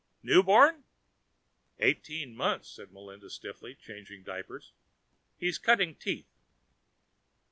"Newborn?" "Eighteen months," said Melinda stiffly, changing diapers. "He's cutting teeth."